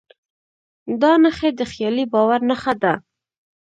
دا نښې د خیالي باور نښه ده.